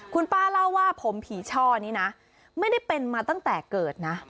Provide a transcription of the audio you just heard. คุณป้าเล่าว่าผมผีช่อนี้นะไม่ได้เป็นมาตั้งแต่เกิดนะ